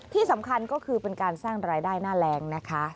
ที่สำคัญก็คือเป็นการสร้างรายได้หน้าแรงนะคะ